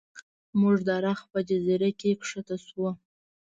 موږ د رخ په جزیره کې ښکته شو.